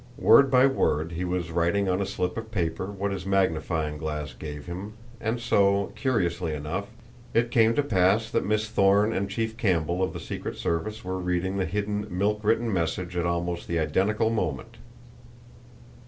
Word by word he was writing on a slip of paper what his magnifying glass gave him and so, curiously enough, it came to pass that Miss Thorne and Chief Campbell of the Secret Service were reading the hidden, milk written message at almost the identical moment.